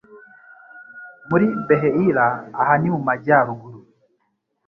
muri Beheira aha ni mu Majyaruguru